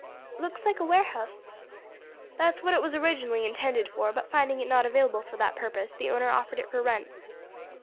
"It looks like a warehouse." "That's what it was originally intended for; but finding it not available for that purpose, the owner offered it for rent."